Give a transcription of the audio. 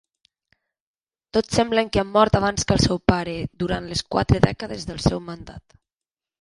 Tots semblen que han mort abans que el seu pare durant les quatre dècades del seu mandat.